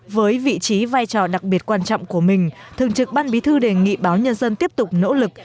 với vị trí vai trò đặc biệt quan trọng của mình thường trực ban bí thư đề nghị báo nhân dân tiếp tục nỗ lực